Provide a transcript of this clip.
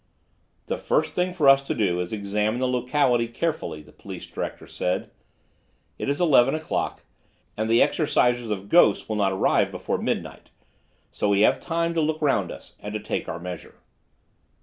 "The first thing for us to do is to examine the locality carefully," the police director said: "it is eleven o'clock and the exercisers of ghosts will not arrive before midnight, so we have time to look round us, and to take our measure."